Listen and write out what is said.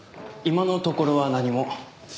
今のところは何も。